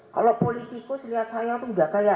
kalau politikus lihat saya tuh udah kayak